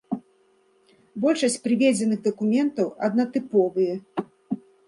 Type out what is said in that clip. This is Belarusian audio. Большасць прыведзеных дакументаў аднатыповыя.